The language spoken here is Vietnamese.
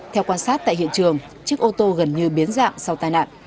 theo quan sát tại hiện trường chiếc ô tô gần như biến dạng sau tai nạn